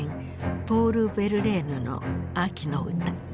ポール・ヴェルレーヌの「秋の歌」。